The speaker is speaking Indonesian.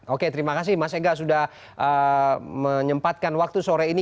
oke terima kasih mas engga sudah menyempatkan waktu sore ini